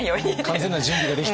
完全な準備ができて。